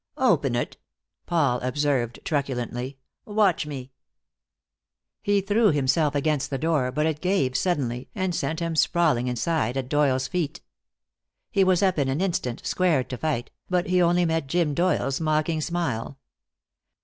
"Open it!" Paul observed truculently. "Watch me!" He threw himself against the door, but it gave suddenly, and sent him sprawling inside at Doyle's feet. He was up in an instant, squared to fight, but he only met Jim Doyle's mocking smile.